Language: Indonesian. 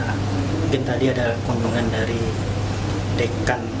mungkin tadi ada kunjungan dari dekan